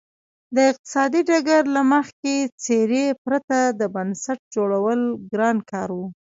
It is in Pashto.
د اقتصادي ډګر له مخکښې څېرې پرته د بنسټ جوړول ګران کار و.